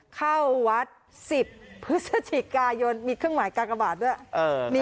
เข้าวัด๑๐พฤศจิกายนมีเครื่องหมายกากบาทด้วย